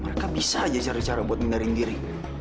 mereka bisa aja cari cara buat menyaring diri